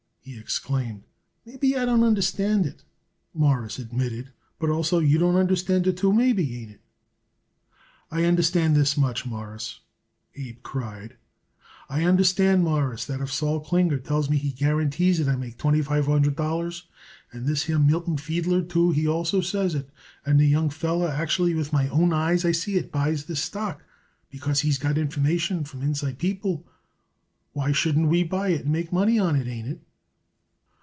he exclaimed. "Maybe I don't understand it," Morris admitted, "but also you don't understand it, too, maybe. Ain't it?" "I understand this much, Mawruss," Abe cried "I understand, Mawruss, that if Sol Klinger tells me he guarantees it I make twenty five hundred dollars, and this here Milton Fiedler, too, he also says it, and a young feller actually with my own eyes I see it buys this stock because he's got information from inside people, why shouldn't we buy it and make money on it? Ain't it?"